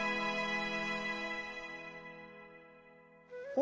お？